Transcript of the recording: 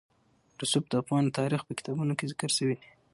رسوب د افغان تاریخ په کتابونو کې ذکر شوي دي.